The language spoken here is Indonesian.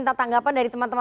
tanya pak sudirman tuh